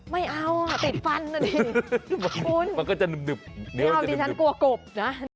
ไม่เอาติดฟันอ่ะดิมันก็จะหนึบไม่เอาดิฉันกลัวกบนะ